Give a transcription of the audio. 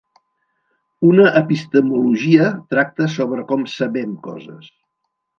Una epistemologia tracta sobre com "sabem" coses.